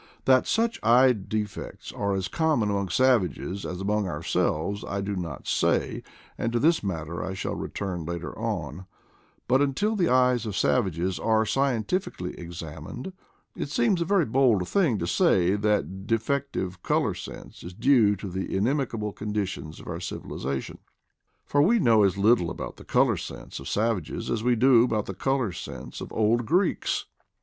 That such eye defects are as common among savages as among ourselves, I do not say, SIGHT IN SAVAGES 167 and to this matter I shall return later on ; but until the eyes of savages are scientifically examined, it seems a very bold thing to say that defective color sense is due to the inimical conditions of our civil ization; for we know as little about the color sense of savages as we do about the color sense, of the old Greeks.